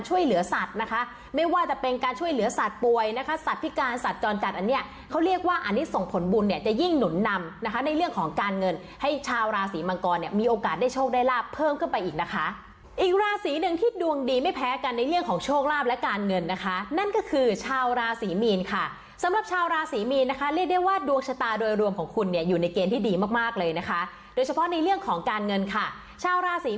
ชาวราศรีมังกรเนี่ยมีโอกาสได้โชคได้ลาบเพิ่มขึ้นไปอีกนะคะอีกราศรีหนึ่งที่ดวงดีไม่แพ้กันในเรื่องของโชคลาบและการเงินนะคะนั่นก็คือชาวราศรีมีนค่ะสำหรับชาวราศรีมีนนะคะเรียกได้ว่าดวกชะตาโดยรวมของคุณเนี่ยอยู่ในเกณฑ์ที่ดีมากเลยนะคะโดยเฉพาะในเรื่องของการเงินค่ะชาวราศรี